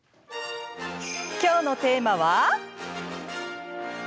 きょうのテーマは。